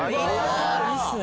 いいっすね！